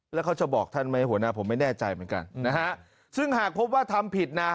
แล้วเขาจะบอกท่านไหมหัวหน้าผมไม่แน่ใจเหมือนกันนะฮะซึ่งหากพบว่าทำผิดนะ